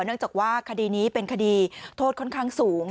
เนื่องจากว่าคดีนี้เป็นคดีโทษค่อนข้างสูง